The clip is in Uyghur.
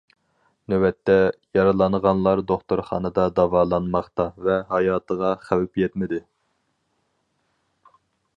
نۆۋەتتە، يارىلانغانلار دوختۇرخانىدا داۋالانماقتا ۋە ھاياتىغا خەۋپ يەتمىدى.